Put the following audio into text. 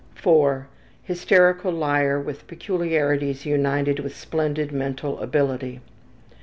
IV. Hysterical liar with peculiarities united with splendid mental ability.